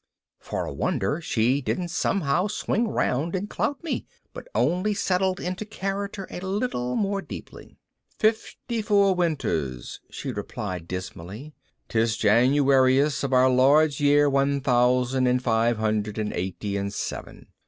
For a wonder she didn't somehow swing around and clout me, but only settled into character a little more deeply. "Fifty four winters," she replied dismally. "'Tiz Januarius of Our Lord's year One Thousand and Five Hundred and Eighty and Seven.